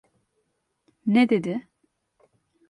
Ne dedi?